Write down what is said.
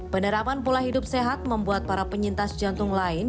penerapan pola hidup sehat membuat para penyintas jantung lain